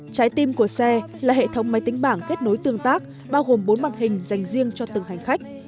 trái tim của xe là hệ thống máy tính bảng kết nối tương tác bao gồm bốn mặt hình dành riêng cho từng hành khách